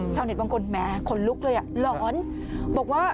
ชาวเน็ตบางคนแหมคนลุกเลยอ่ะหลอนบอกว่า